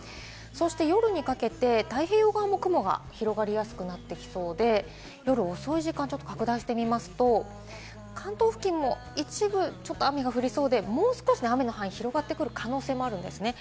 夜にかけて太平洋側も雲が広がりやすくなっていきそうで、夜遅い時間、拡大してみますと、関東付近も一部雨が降りそうで、もう少し雨の範囲が広がってくる可能性もあります。